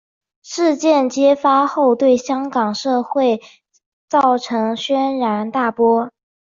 事件揭发后对香港社会造成轩然大波。